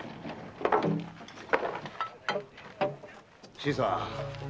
新さん。